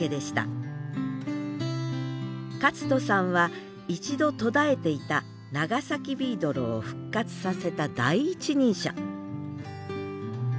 克人さんは一度途絶えていた長崎ビードロを復活させた第一人者